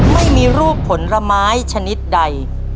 ไม่มีรูปผลไม้ชนิดใด